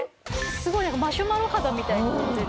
すごいマシュマロ肌みたいになってる。